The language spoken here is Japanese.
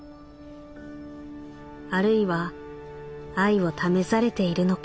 「あるいは愛を試されているのか」。